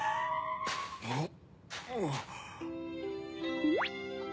あっ！